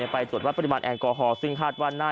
ไปตรวจวัดปริมาณแอลกอฮอลซึ่งคาดว่าหน้า